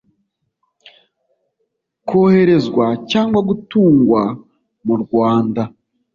koherezwa cyangwa gutangwa mu rwanda